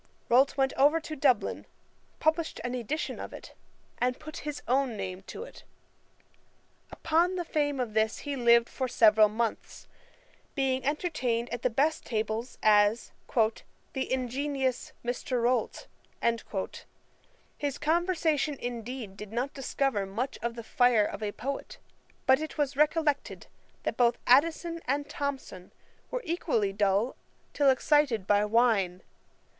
Rolt went over to Dublin, published an edition of it, and put his own name to it. Upon the fame of this he lived for several months, being entertained at the best tables as 'the ingenious Mr. Rolt.' His conversation indeed, did not discover much of the fire of a poet; but it was recollected, that both Addison and Thomson were equally dull till excited by wine.